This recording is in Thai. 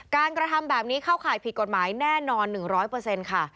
การกระทำแบบนี้เข้าข่ายผิดกฎหมายแน่นอน๑๐๐เปอร์เซ็นต์ค่ะ